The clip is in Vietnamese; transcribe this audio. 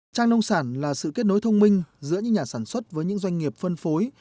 trang nông sản là sự kết nối thông minh giữa những nhà sản xuất với những doanh nghiệp phân phối